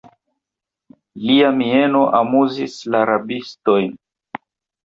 Lia mieno amuzis la rabistojn.